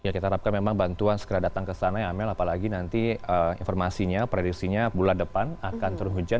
kita harapkan bantuan segera datang ke sana apalagi nanti informasinya prediksinya bulan depan akan turun hujan